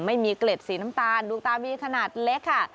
ไม่มีเกล็ดสีน้ำตาลลูกตามีขนาดเล็กค่ะ